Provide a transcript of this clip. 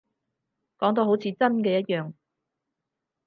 講到好似真嘅一樣